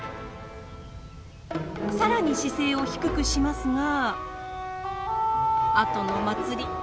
さらに姿勢を低くしますが後の祭り。